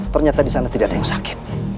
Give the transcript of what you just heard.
ternyata disana tidak ada yang sakit